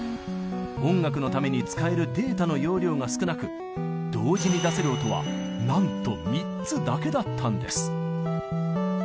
音楽のために使えるデータの容量が少なく同時に出せる音はなんと３つだけだったんです。